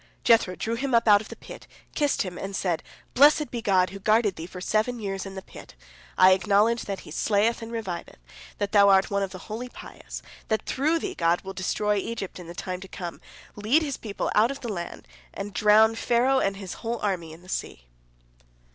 Jethro drew him up out of the pit, kissed him, and said: "Blessed be God, who guarded thee for seven years in the pit. I acknowledge that He slayeth and reviveth, that thou art one of the wholly pious, that through thee God will destroy Egypt in time to come, lead His people out of the land, and drown Pharaoh and his whole army in the sea."